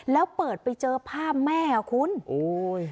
แล้วเปิดไปเจอภาพแม่อ่ะคุณโอ้ย